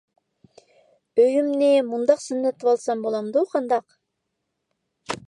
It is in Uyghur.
ئۆيۈمنى مۇنداق زىننەتلىۋالسام بولامدۇ قانداق؟